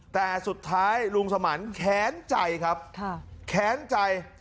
แต่สุดท้ายลุงสมาร์นแขนใจครับค่ะแขนใจ